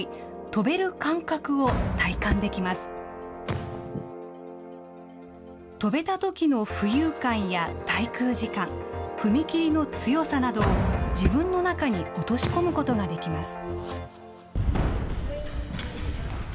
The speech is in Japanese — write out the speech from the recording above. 跳べたときの浮遊感や滞空時間、踏み切りの強さなどを自分の中に落とし込むことができます。